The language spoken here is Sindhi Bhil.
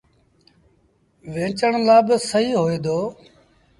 ويٚنچڻ لآ با سهيٚ هوئي دو۔